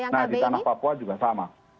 nah di tanah papua juga sama